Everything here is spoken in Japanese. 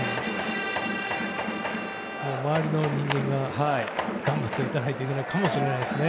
周りの人間が頑張って打たないといけないかもしれないですね。